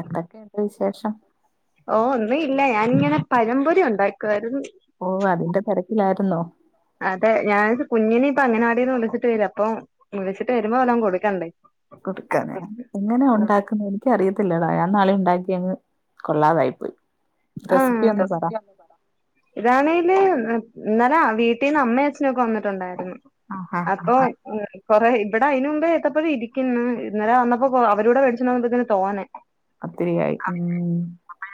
എന്തൊക്കെയുണ്ട് വിശേഷം ഓ ഒന്നുല്ല ഞാനിങ്ങനെ പഴംമ്പൊരി ഇണ്ടാക്കുവായിരുന്നു ഓഹ് അതിന്റെ തെരക്കിലാരുന്നോ അതെ ഞാൻ കുഞ്ഞിനെ ഇപ്പൊ അങ്ങനവാടീന്ന് വിളിച്ചിട്ട് വരാ അപ്പൊ വിളിച്ചിട്ട് വരുമ്പോ വല്ലോം കൊടുക്കണ്ടേ കൊടുക്കാന്നെ എങ്ങനെയാ ഉണ്ടാക്കുന്നെ ഇത് എനിക്കറിയത്തില്ലടാ ഞാൻ ഇന്നാളി ഒണ്ടാക്കി അങ്ങ് കൊള്ളാതായി പോയി റെസിപ്പി ഒന്ന് പറ ആഹ് ഇതാണെല് ഇന്നലെ വീട്ടീന്ന് അമ്മ അച്ഛനൊക്കെ വന്നിട്ടുണ്ടായിരുന്നു. ആഹാ അപ്പൊ മ് കൊറെ ഇവിടെ അയിന് മുമ്പേ ഏത്തപ്പയം ഇരിക്ക്ന്ന്‌ ഇന്നല വന്നപ്പോ കൊ അവരൂടെ മേടിച്ചോണ്ട് വന്നപ്പൊത്തിന് തോനേ അത്രയായി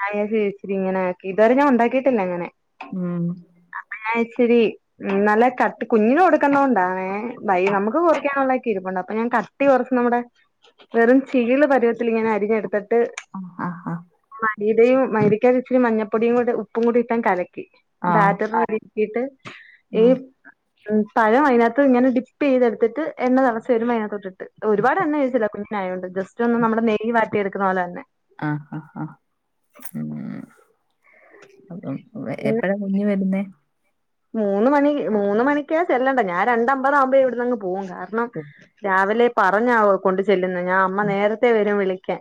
ആ ചേരിച്ചിരി ഇങ്ങനെആക്കി ഇതുവരെ ഞാ ഉണ്ടാക്കിട്ടില്ല ഇങ്ങനെ ഉം ഞാൻ വിചാരിച്ചിരി ഉം നല്ല കട്ടി കുഞ്ഞിന് കൊടുക്കുന്ന കൊണ്ടാണേ ഭൈ ആ നമുക്ക് കുറക്കാനുള്ള ക്കിഇരിപ്പുണ്ട് അപ്പൊ ഞാൻ കട്ടി കുറച്ച് നമ്മടെ വെറും ചീള് പരുവത്തിലിങ്ങനെ അരിഞ്ഞ് ച്ചിരി എടുത്തിട്ട് ആ ആ ആ മലീടെയും മൈദെ ഇച്ചിരി മഞ്ഞപ്പൊടിയുംകൂടെ ഉപ്പും കൂടി ഇട്ടങ്ങ് കലക്കി ആ ബാറ്ററ് കീട്ട് ഈ ഉം ഉം പഴം അയിനകത്ത് ഇങ്ങനെ ഡിപ്പ് ചെയ്തെടുത്തിട്ട് എണ്ണതെളച്ച് വരുമ്പൊ അതിനകത്തൊട്ടിട്ട് ഒരുപാട് ചിക്കൻ. എണ്ണ ഒഴിച്ചില്ല യിനുണ്ട് ജസ്റ്റ് ഒന്ന് നമ്മുടെ നെയ് വാട്ടി എടുക്കുന്ന പോലെ തന്നെ ആഹ് ആഹ് ആഹ് ഉം അപ്പം പിന്നെ എപ്പഴാ കുഞ്ഞ് വരുന്നെ മൂന്ന് മണി മൂന്ന് മണിക്കാ ചെല്ലണ്ടെ ഞാൻ രണ്ടമ്പതാകുമ്പോ ഇവിടുന്നങ്ങ് പോ പോവും കാരണം ഉം രാവിലെ പറഞ്ഞ കൊണ്ട് ചെല്ലുന്ന ഞാ അമ്മ നേരത്തെ വരും വിളിക്കാൻ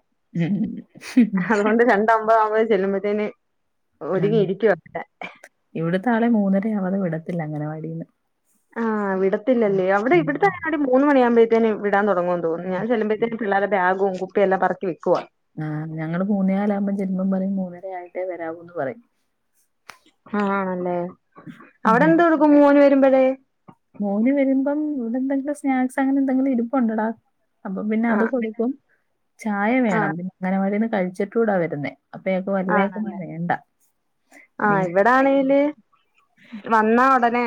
ഉം അതൊണ്ട് രണ്ടമ്പതാവുമ്പതെ ചെല്ലുമ്പോത്തേന് ആ, ഒരുങ്ങി ഇരിക്കുവവിടെ ഇവിടുത്തെ ആളെ മൂന്നരയാവാതെ വിടത്തില്ല അങ്ങനവാടിന്ന് ആഹ് വിടത്തില്ലല്ലെ അവിടെ ഉം. ഇവിട്ത്തങ്ങനവാടി മൂന്ന് മണിയാകുമ്പോഴത്തേന് വിടാൻ തൊടങ്ങും അത് കൊണ്ട് ഞാൻ ചെല്ലുമ്പോയിത്തേന് പിള്ളേരെ ബാഗും കുപ്പിയെല്ലാം പറക്കിവെക്കുവാ ആഹ് ഞങ്ങള് മൂന്നേകാലാകുമ്പോ ചെല്ലുമ്പം പറയും മൂന്നര ആയിട്ടേ വരാവൂന്ന് പറയും. ആഹ് ആണല്ലേ ഉം അവിടെ എന്ത് കൊടുക്കും മോന് വരുമ്പഴേ മോന് വരുമ്പം ഇവിടെ എന്തെങ്കിലും സ്നാക്സ് അങ്ങനെ എന്തെങ്കിലും ഇരുപ്പൊണ്ടെടാ അപ്പം പിന്നെ അത് ആഹ് കൊടുക്കും ചായ വേണം പിന്നെ അങ്ങനെവാടിന്ന് കഴിച്ചിട്ട് കൂടാ വരുന്നേ അപ്പ ഇയാക്ക് വലുതായിട്ട് ആണല്ലേ ഒന്നും വേണ്ട ആഹ് ഇവിടാണെങ്കില് വന്നാ ഉടനെ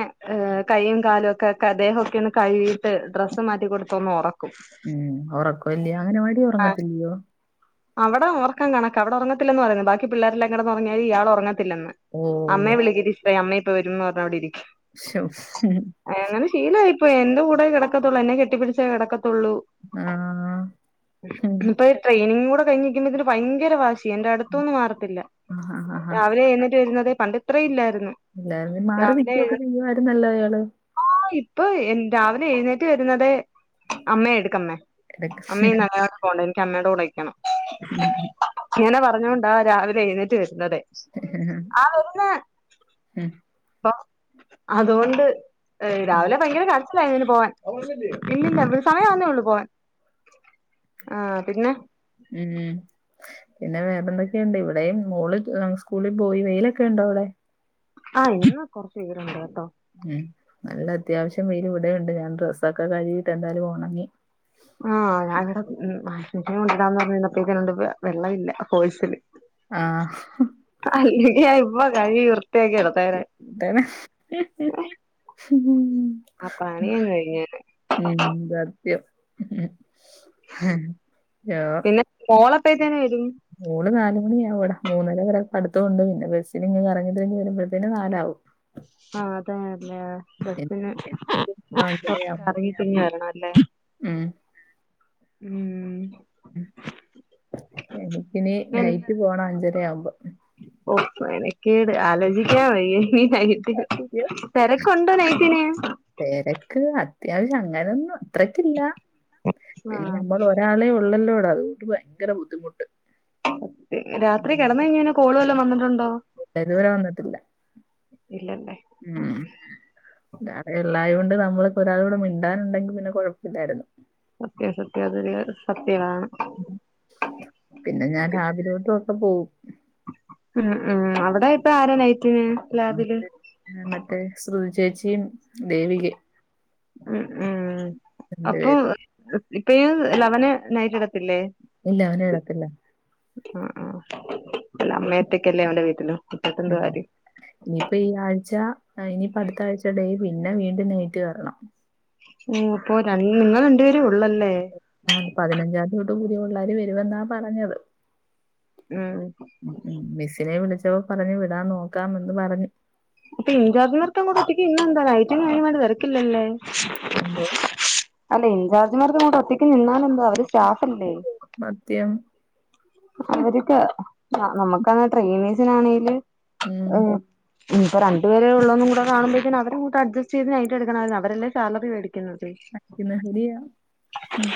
കൈയും കാലും ഒക്കെ ദ്ദേഹവൊക്കെ ഒന്ന് കഴുകീട്ട് ഡ്ര സ് മാറ്റി കൊടുത്തൊന്ന് ഒറക്കും ഉം ഉറക്കുവല്ലയോ അങ്ങനവാടി ഉറങ്ങത്തില്ലയോ അവിടെ ഉറക്കം കണക്ക അവിടെ ഉറങ്ങത്തില്ലെന്ന് പറയുന്നു ബാക്കി പിള്ളേരെല്ലാം കിടന്നൊറങ്ങിയാലും ഇയാൾ ഉറങ്ങത്തില്ലെന്ന് ഓ അമ്മയെ വിളിക്ക്ടിച്ചറെ അമ്മ ഇപ്പൊ വരുംന്ന് പറഞ്ഞവിടെ ഇരിക്കും ശോ അങ്ങനെ ശീലവായിപ്പോയി എന്റെ കൂടെ കിടക്കത്തുള്ളൂ എന്നെ കെട്ടിപ്പിച്ചേ കിടക്കത്തുള്ളൂ ഉം ഇപ്പൊ [unintelligible] കൂടെ കഴിഞ്ഞിരിക്കുമ്പോത്തേന് ഭയങ്കര വാശിയ എന്റെ അടുത്തുന്നു മാറത്തില്ല ആഹാ, ആഹാ. രാവിലെ എഴുന്നേറ്റ് വരുന്നതേ പണ്ട് ഇത്ര ഇല്ലായിരുന്നു ഇല്ലാരുന്നേ മാറി നിൽക്കുവൊക്കെ ചെയ്യുവായിരുന്നല്ലോ അയാള് ആഹ് ഇപ്പൊ എൻ രാവിലെ എഴുന്നേറ്റ് വരുന്നതെ അമ്മേ എടുക്കമ്മേ ഇടയ്ക്ക്. അമ്മേ ഇന്ന് അങ്ങന വാടി പോകണ്ട എനിക്ക് അമ്മയുടെ കൂടെനിക്കണം ഉം ഇങ്ങനെ പറഞ്ഞോണ്ടാ രാവിലെ എഴുന്നേറ്റ് വരുന്നതെ ആഹ് വരുന്ന് ഉം. പ്പോ അതൊണ്ട് ആഹ് രാവിലെ ഭയങ്കര കര ച്ചിലായിരുന്നു പോവാൻ ഇല്ലില്ല സമയാവുന്നേയുള്ളൂ പോവാൻ ആഹ് പിന്നെ ഉം പിന്നെ വേറെ എന്തൊക്കെയുണ്ട് ഇവിടെയും മോള് സ്കൂളിൽ പോയി വെയിലൊക്കെ ഉണ്ടോ അവിടെ ആഹ് ഇന്ന് കൊറച്ച് വെയിലുണ്ട് കേട്ടോ ഉം നല്ല അത്യാവശ്യം വെയിൽ ഇവിടെയുണ്ട് ഞാൻ ഡ്രസ്സൊക്കെ കഴുകിയിട്ട് എന്താലും ഉണങ്ങി ആഹ് ഞാനിവിടെ മഴ [unintelligible] വെള്ളമില്ല ഫോഴ്സില് ആഹ് അല്ലങ്കി ഞാനിപ്പ കഴികി വൃത്തിയാക്കിയെടുത്തേനെ താണ് ആഹ് പണിയങ്ങ് കഴിഞ്ഞേനെ ഉം സത്യം ഉം മോളെഅപ്പേതിന് വരിം മോള് നാല് മണിയാവും ഇവടെ മൂന്നരെവരെ പടുത്തൊഒണ്ട് പിന്നെ ബസ്സിന് ഇങ്ങ് കറങ്ങിതിരിഞ്ഞ് വരുമ്പഴത്തേനും നാലാവും ആഹ് അതാല്ലേ എനിക്ക് ബസ്സിന് അഞ്ചരയാവുമ്പോ കറങ്ങിതിരിഞ്ഞ് വരണാേല്ലേ ഉം ഉം എനിക്കിനി പിന്നെന്താ നൈറ്റ് പോണം അഞ്ചരയാവുമ്പോ ഓ മെനക്കേട് ആലോചിക്കാൻ വയ്യ ഈ നൈറ്റ്ട്യൂട്ടി യ്യോ തെരക് കൊണ്ട് നൈറ്റിന് തെരക്ക് അത്യാവശ്യം അങ്ങനൊന്നും അത്രക്കില്ല പിന്നെ ആഹ് നമ്മൾ ഒരാളെ ഒള്ളല്ലോടാ അതാേണ്ട് ഭയങ്കര ബുദ്ധിമുട്ട് രാത്രി കെടന്നഴിഞ്ഞാ ഇന്നെ കോള് വല്ലോം വന്ന്ട്ടുണ്ടോ ഇല്ല ഇതുവരെ വന്നിട്ടില്ല ഇല്ലല്ലേ ഉം [unintelligible] ഇള്ളായോണ്ട് നമ്മൾക്ക് ഒരാളോട് മിണ്ടാനുണ്ടെങ്കി പിന്നെ കൊഴപ്പില്ലാര്ന്നു സത്യം സത്യം അതൊരു സത്യാണ് പിന്നെ ഞാൻ ലാബിലോട്ടുവൊക്കെ പോവും ഉം ഉം അവിടെ ഇപ്പ ആരാ നൈറ്റിന് ലാബില് ആ മറ്റേ സ്രുതിചേച്ചിം ഉം ഉം അപ്പൊ രണ്ടുപേരും ഇപ്പയെ ലവന് നൈറ്റെട് ഇല്ല അവന്ഇടത്തില്ല ആഹ് ആഹ് അല്ല അമ്മയൊറ്റക്കല്ലേ അവന്റെ വീട്ടിലും ഉം ഇനിപ്പ ഈ ആഴ്ച ഇനിയിപ്പ അട്ത്ത ആഴ്ച ഡേ പിന്നെ വീണ്ടും നൈറ്റ് വരണം ഉം അപ്പൊ രണ്നിങ്ങൾ രണ്ടേരെ ഒള്ളല്ലേ ആഹ് പതിനഞ്ചാതി തൊട്ട് പുതിയ പിള്ളളര് വരുവെന്നാ പറഞ്ഞത് ഉം ഉം മിസ്സിനെ വിളിച്ചപ്പൊ പറഞ്ഞു വിടാൻ നോക്കാമെന്ന് പറഞ്ഞു അപ്പം ഇൻചാർജമാർക്കാവുമ്പോ അവരൊറ്റക്ക് നിന്നാന്താ നൈറ്റിന് അയിന് വേണ്ടി തെരക്കില്ലല്ലേ എന്തോ അല്ല ഇൻചാർജ്മാർക്കങ്ങോട്ട് ഒറ്റക്ക് നിന്നാലെന്താ അവര് സ്റ്റാഫല്ലെ മദ്യം അവര്ക്ക് നമുക്കാണ് ട്രെയിനീസിനാണെല് ഉം ഇനീപ്പൊ രണ്ട് പേരെ ഒള്ളൂന്നും കൂടെ കാണുമ്പേക്ക്ന് അവരങ്ങട്ട് അട്ജസ്റ്റ് ചെയ്ത് നൈറ്റെടുക്കണാര്ന്നു അവരെല്ലെ സാലറി മേടിക്ക് ക്ക്ണത് പഠിക്കുന്ന ശരിയാ ഉം.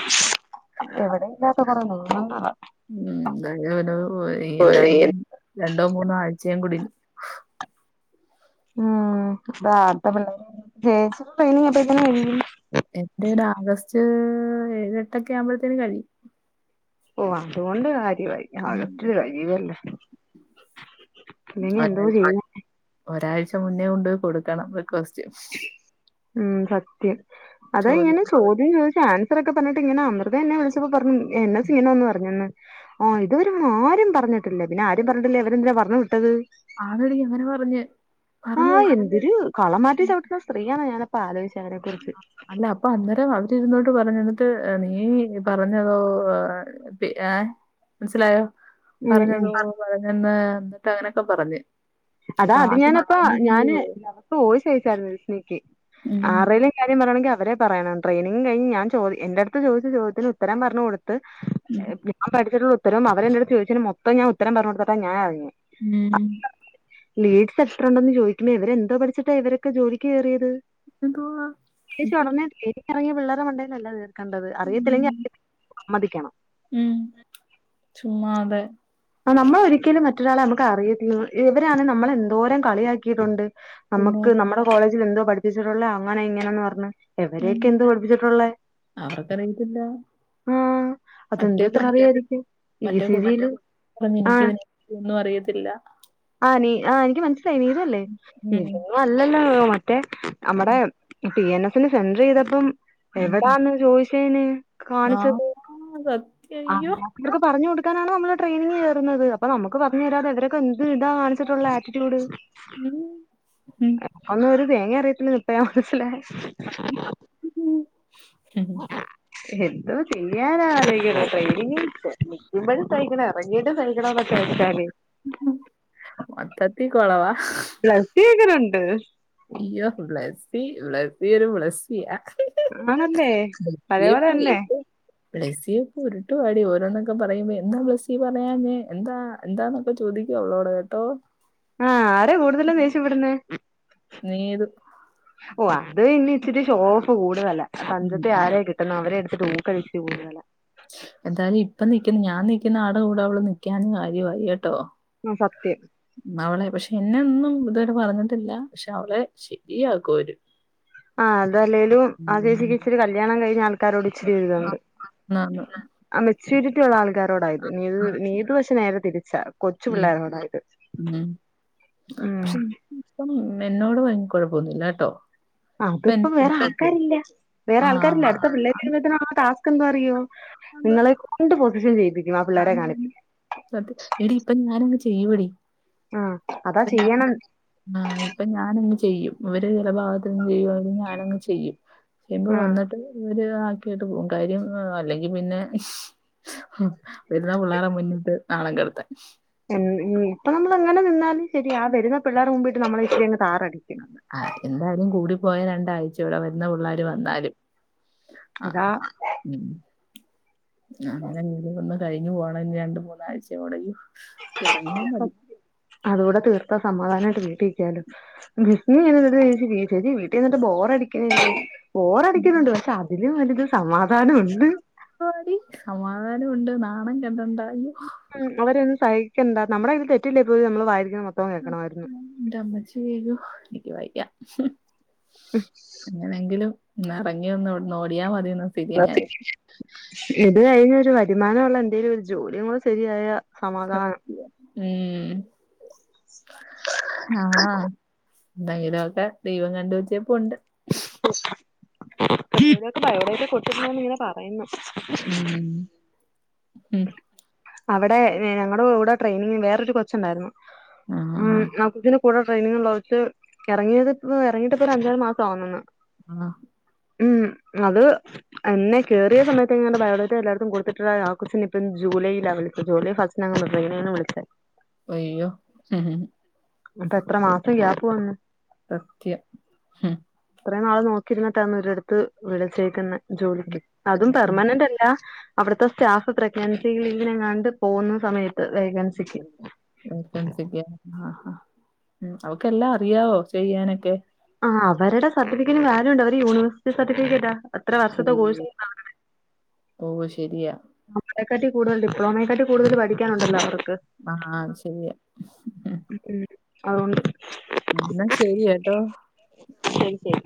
എവിടെം ഇല്ലാത്ത കൊറേ നിയമങ്ങള് ഉം [unintelligible] എന്താലും രണ്ടോ മൂന്നോ ആഴ്ചേം കൂടിം ഉം [unintelligible] പിള്ളേരെ ചേച്ചിടെ ട്രെയിനിങ് അപ്പഴ്ക്കിന് കഴിയും എന്റേര് ആഗസ്റ്റ് ഏഴെട്ടക്കെ ആവുമ്പഴ്ത്തേന് കഴിയും ഓഹ് അതുകൊണ്ട് കാര്യവായി ഉം. ആഗസ്റ്റില് കഴിയുവല്ലേ ഇല്ലെങ്കി എന്തോ ഒരാ ചെയ്യും ഒരാഴ്ച മുന്നേ കൊണ്ട് കൊട്ക്കണം റിക്വെസ്റ്റ് ഉം സത്യം അതാ ചോദ്യം ഇങ്ങനെ ചോദ് ദ്യംചോയ്ച്ച് ആൻസറൊക്കപറഞ്ഞിട്ട് ഇങ്ങനെ അമൃത എന്നെ വിളിച്ചപ്പോ പറഞ്ഞു എന്നെ ചെയ്യാനൊന്നും അറിഞ്ഞൂടന്ന് ആഹ് ഇതുവെര്യാന്ന് ആരും പറഞ്ഞിട്ടില്ലേ പിന്നെ ആരും പറഞ്ഞിട്ടില്ലേ അവരെന്തിനാ പറഞ്ഞു വിട്ടത് ആണടീ അങ്ങനെ പറഞ്ഞ് പറഞ്ഞ് ആഹ് എന്തൊരു കളം മാറ്റി ചവിട്ട്ന്ന സ്ത്രീയാണ് ഞാനപ്പ ആലോയ്ച്ച്അതിനെ കുറിച്ച് അല്ല അപ്പൊ അന്നേരം അവരിരുന്നോട്ട് പറഞ്ഞുന്നിട്ട് നീ പറഞ്ഞതോ പി ഏഹ് മനസിലായോ ഉം ഉം പറഞ്ഞതോ പറഞ്ഞന്ന് അന്നിട്ട് അങ്ങനെക്കെ പറഞ്ഞ് അതാ അപ്പൊ അത് ആദ്യം ഞാനിപ്പ പറഞ്ഞിരുന്നു. ഞാന് ലവക്ക് വോയിസയിച്ചായിരുന്നു വിഷ്ണക്ക് ഉം. ആറേല് കാര്യംപറയണെങ്കിൽ അവരെ പറയണം ട്രെനിങ് കഴിഞ് ഞാ ചോദ് എന്റെഅട്ത്ത് ചോദിച്ച ചോദ്യത്തിന് ഉത്തരം പറഞ്ഞ് കൊട് ത്ത് ഉം. ഞാൻ പഠിച്ചിട്ടുള്ള ഉത്തരവും അവരെ എന്നോട് ചോയ്ച്ചീന് മൊത്തം ഞാൻ ഉത്തരം പറഞ്ഞു കൊടുത്ത്ട്ടാ ഞാൻ എറങ്ങ്യ ഉം ലീഡ്സ് എത്ര ഉണ്ടെന്ന് ചോദിയ്ക്കുന്നെ ഇവരെന്തോ പഠിച്ചിട്ട ഇവരൊക്കെ ജോലിക്ക് കയറിയത് എന്തുവാ? ച്ച സത്യം. ഉടനെേ ഇറങ്ങിയ പിള്ളേരു മണ്ടേലല്ല കേറുന്നത് കണ്ടത് ഉം. അറിയത്തില്ലെങ്കിൽ അറിയില്ല സമ്മതിക്കണം ഉം ചുമ്മാതെ ആഹ് നമ്മൾ ഒരിക്കലും മറ്റൊരാളെ നമുക്ക് അറിയല്ല ഇവരാണേ നമ്മളെന്തോരം കളിയാക്കിയിട്ടുണ്ട് പിന്നെ നമുക്ക് നമ്മുടെ കോളേജിൽ എന്തോ പഠിപ്പിച്ചിട്ടുള്ളത് അങ്ങനെ ഇങ്ങനെന്ന് പറഞ്ഞ് ഉം. എവരൊക്കെ എന്ത് പഠിപ്പിച്ചിട്ടുള്ള അവർക്കറിയത്തില്ല. ആഹ് അതെന്തു മറ്റേ ഇത്ര പെണ്ണ് അറിയാതിരിക്കാൻ ഇ സി ജില് പറഞ്ഞ് എനിക്ക് ഇതിനത് ഒന്നും അറിയത്തില്ല ആഹ് നീ ആഹ് എനിക്ക് മനസ്സിലായി നീതു അല്ലേ ഉം അല്ലല്ലോ മോളെ മറ്റേ നമ്മടെ പി എൻ എസ്ന് സെന്റർ ചെയ്തപ്പം ഉം ഉം എവിടാന്ന് ചോദിച്ചേന് ആഹ് കാണിച്ചത് സത്യം ആഹ് അയ്യോ ഇവർക്ക് പറഞ്ഞു കൊടുക്കാനാണ് നമ്മ ട്രെയിനിങ് കയറുന്നത് അപ്പൊ നമക്ക് പറഞ്ഞു തരാതെവര് കെന്ത് ഇതാ കാണിച്ചിട്ടുള്ള ആറ്റിറ്റ്യൂഡ് ഉം ഉം അന്ന് ഒരു തേങ്ങേ അറിയത്തില്ല ഴാ മനസ്സിലായേ [inaudible] എന്തോ ചെയ്യാനാന്നാലിയിക്കണം ട്രെയ്നി നിൽക്കുമ്പഴും സയ്ക്കണം ഞ്ഞിട്ടും സഹിക്കണം ന്നൊക്കെ ഓർത്താല് മൊത്തത്തിക്കോളവാ ബ്ലസി എങ്ങനുണ്ട് അയ്യോ ബ്ലസി ബ്ലസി ഒരു ബ്ലാസിയാ ആണല്ലേ പഴയപോലെ തന്നെ ബ്ലസ്സി ഒക്കെ ഉരുട്ടുവാടി ഓരോന്നൊക്കെ പറയുമ്പോ എന്താ ബ്ലസ്സി പറയഞ്ഞെ എന്താ എന്താന്നൊക്കെ ചോദിക്ക അവളോട് കേട്ടോ ആഹ് ആരാ കൂടുതലും ദേഷ്യ പെടുന്നേ നീതു ഓ അത് ഇനി ഇച്ചിരി ഷോ ഓഫ് കൂടുതല്ല ഉം തഞ്ചത്തി ഉം ആരെയാ കിട്ടു ട്ടുന്നെ അവരെ എടുത്തിട്ട് ഉക്കൽ ഇച്ചിരി കൂടുതൽ ആഹ് എന്തായാലും ഇപ്പൊ നിക്കുന്ന ഞാൻ നിക്കുന്ന ആടെ കൂടെ അവള് നിക്കഞ്ഞെ കാര്യമായി കേട്ടോ ആഹ് സത്യം അവളെ പക്ഷെ എന്നെ ഒന്നും ഇതുവരെ പറഞ്ഞിട്ടില്ല പക്ഷെ അവളെ ശരിയാക്കുവര് ആഹ് അതല്ലേലും ആഹ് ചേച്ചിക്ക് ഇച്ചരി കല്യാണം കഴിഞ്ഞ ആൾ ആൾക്കാരോട് ഇച്ചിരി ഓര് ഇതുണ്ട് എന്നാന്ന് ചുരിറ്റിയുള്ള ആൾക്കാരോടായത് നീതു നീതു പക്ഷെ നേരെ തിരിച്ചാ കൊച്ചു ഉം പിള്ളേരോടായത് ഉം ഉം ഇപ്പം എന്നോട് ഭ കുഴപ്പൊന്നില്ല കേട്ടോ അത് ഇപ്പം വേറെ ആൾക്കാരില്ല വേറെ ആൾക്കാരില്ല ആഹ് അടുത്തപിള്ള ടാസ്ക് എന്താറിയുമോ നിങ്ങളെ കൊണ്ട് പൊസിഷൻ ചെയ്പി ആന്ന് സത്യം എടി ഇപ്പ ഞാൻ അങ്ങ് ചെയ്യുവെടി ആ അതാ ഇപ്പൊ ഞാന് ചെയ്യണം ആഹ് ഇപ്പൊ ഞാനങ്ങ് ചെയ്യും ഇവര് ചില ഭാഗത്തന്ന് ചെയ്യുവാണെങ്കിൽ ഞാനങ്ങ് ചെയ്യും ച്യുമ്പ ആ വന്നിട്ട് ഒരു ആക്കിട്ട് പോവും കാര്യം അല്ലെങ്കിൽ പിന്നെ വരുന്നാ പിള്ളേരുടെ മുന്നിട്ട് നാണം കിടുത്താൻ ഇപ്പൊ നമ്മളെങ്ങനെ നിന്നാലും ശരി ആഹ് വരുന്ന പിള്ളേർ മുമ്പീട്ട് നമ്മൾ ഇച്ചരിങ് താറടി ആഹ് എന്തായാലും കൂടി പോയ രണ്ടാഴ്ച ഇൂടെ വരുന്ന പിള്ളേർ വന്നാലും ആഹ് അതാ ഉം അങ്ങനെ ഒന്ന് കഴിഞ്ഞു പോകണം ഇനി രണ്ട് മൂന്ന് ആഴ്ച്ചെകൂടെ അയോ ഇറങ്ങിയാ മതി അതുകൂടെ തീർത്ത സമാധാനമായിട്ട് വീട്ടീരിക്കാലോ നീ [unintelligible] ശരി വീട്ടി ഇരുന്നിട്ട് ബോറടിക്കണില്ലേ മതി ബോറടിക്കുന്നുണ്ട്, പക്ഷെ അതിലും വലുത് സമാധാനവൊണ്ട്. ആടീ സമാധാനം ഒണ്ട് നാണം കെടണ്ട. അയ്യോ. ഉം അവരെയൊന്നും സഹിക്കണ്ട. നമ്മടെ കയ്യിൽ തെറ്റില്ലേ പോലും നമ്മള് വായിരിക്കണെ മൊത്തം കേക്കണായിരുന്നു. ൻ്റെമ്മച്ചിയേ യ്യോ, എനിക്ക് വയ്യ. ഉം. എങ്ങനെങ്കിലും ഒന്ന് എറങ്ങി ഒന്ന് ഇവിടന്ന് ഓടിയാ മതീന്ന സ്ഥിതിയാ ഞാനിപ് ഇത് കഴിഞ്ഞ് ഒരു വരുമാനമുള്ള എന്തേലും ഒരു ജോലി കൂടി ശരിയായാ സമാധാനം. ഉം. ആഹ് എന്തെങ്കിലും ഒക്കെ ദൈവം കണ്ട വച്ചേപ്പൊണ്ട്. [unintelligible] ബയോഡേറ്റ കൊടത്തിട്ടില്ലാന്ന് ഇങ്ങനെ പറയുന്നു. ഉം. ഉം അവിടെ ഏഹ് ഞങ്ങടെ കൂടെ ട്രെയിനിങ് വേറൊരു കൊച്ചുണ്ടായിരുന്നു ഉം ആഹ് ആ കൊച്ചിന് കൂടെ ട്രെനിങ് ഇള്ള കൊച്ച് എറങ്ങിയത് ഇപ് എറങ്ങിയിട്ടിപ്പോ ഒരു അഞ്ചാറു മാസം ആവുന്നെന്ന് ആഹ് ഉം അത് അന്നെ കേറിയ സമയത്തെങ്ങാണ്ട് ബയോഡാറ്റ എല്ലാടത്തും കൊടുത്ത്ട്ട്ണ്ടായ ആ കൊച്ചിന് ഇപ്പം ജൂലൈയിലാ വിളിച്ചത് ജൂലൈ ഫസ്റ്റിനെങ്ങാണ്ടാ ട്രെയിനിങ്ങിന് വിളിച്ചേ. അയ്യോ അപ്പൊ എത്ര മാസം ഗ്യാപ്പ് വന്ന്. സത്യം ഉം ഇത്രയും നാള് നോക്കിരുന്നിട്ടാന്ന് ഒരിടെത്ത് വിളിച്ചേക്കുന്നെ. ജോലിക്ക് അതും ഉം പെർമനന്റ് അല്ല അവിടുത്തെ സ്റ്റാഫ് പ്രഗ് ൻസി ലീവിനെനെങ്ങാണ്ട് പോകുന്ന സമയത്ത് വേക്കൻസിക്ക്. വേക്കൻസിക്ക്, ആഹ് ആഹ് അവക്കെല്ലാം അറിയാവോ ചെയ്യാനൊക്കെ? ആഹ് അവരടെ സർട്ടിഫിക്കറ്റിന് വാല്യൂണ്ട് അവര് യൂണിവേഴ്സിറ്റി സർട്ടിഫിക്കറ്റാ. എത്ര വർഷത്തെ കോഴ്സ് [unintelligible] ഓഹ് ശരിയാ. നമ്മളെക്കാട്ടി കൂടുതൽ ഡിപ്ലോമയെക്കാട്ടി കൂടുതൽ പഠിക്കാനണ്ടല്ലോ അവർക്ക്. ആഹ് ശരിയാ ഉം അതൊണ്ട്. എന്നാ ശെരി കേട്ടോ. ശരി ശരി.